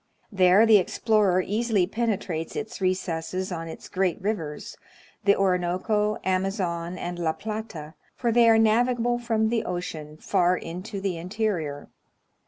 There the explorer easily penetrates its recesses on its great rivers, — the Orinoco, Amazon, and La Plata, — for they are navigable from the ocean far into the interior.